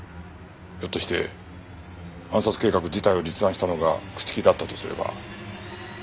ひょっとして暗殺計画自体を立案したのが朽木だったとすれば。